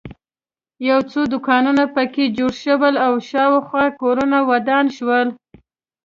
یو څو دوکانونه په کې جوړ شول او شاخوا یې کورونه ودان شول.